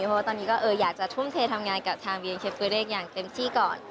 เพราะว่าตอนนี้ก็อยากจะทุ่มเททำงานกับทางบีเอเชฟตัวเลขอย่างเต็มที่ก่อน